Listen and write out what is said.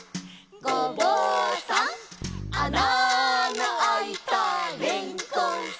「ごぼうさん」「あなのあいたれんこんさん」